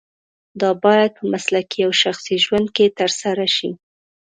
دا باید په مسلکي او شخصي ژوند کې ترسره شي.